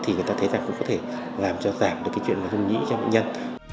thì người ta thấy ra cũng có thể giảm được chuyện rung nhĩ cho bệnh nhân